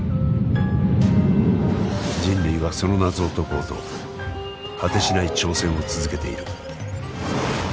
人類はその謎を解こうと果てしない挑戦を続けている。